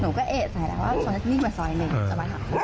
หนูก็เอสใส่ณว่าลิงนี่มันซอย๑